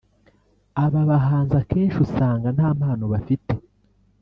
Aba bahanzi akenshi usanga nta mpano bafite